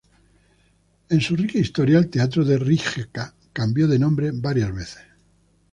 En su rica historia, el teatro de Rijeka cambió de nombre varias veces.